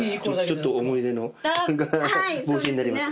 ちょっと思い出の帽子になります。